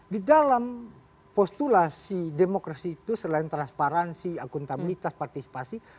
di dalam postulasi demokrasi itu selain transparansi akuntabilitas partisipasi